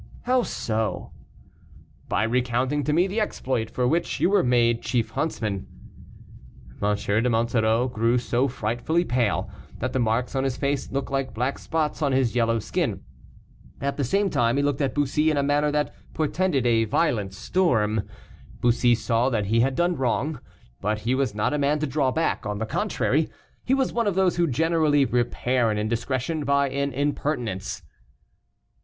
"How so?" "By recounting to me the exploit for which you were made chief huntsman." M. de Monsoreau grew so frightfully pale, that the marks in his face looked like black spots on his yellow skin; at the same time he looked at Bussy in a manner that portended a violent storm. Bussy saw that he had done wrong; but he was not a man to draw back; on the contrary, he was one of those who generally repair an indiscretion by an impertinence.